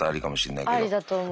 ありだと思う。